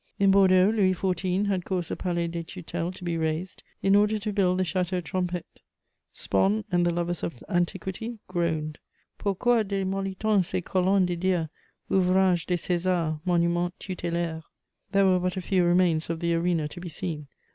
In Bordeaux, Louis XIV. had caused the Palais des Tutelles to be razed, in order to build the Chateau Trompette; Spon and the lovers of antiquity groaned: Pourquoi démolit on ces colonnes des dieux, Ouvrage des Césars, monument tutélaire? There were but a few remains of the Arena to be seen.